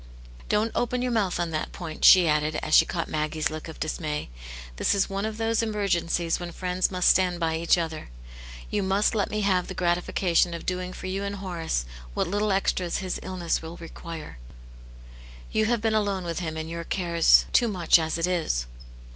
Don't open your mouth on that point/' she added, as she caught Maggie's look of dismay^ "This is one of those emergencies when friends must stand by each other: you must let me have the gratification of doing for you and Horace what little extras his illness will require. You have been alone with him and your cares too much as it is."